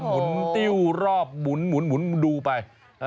หุนติ้วรอบหมุนดูไป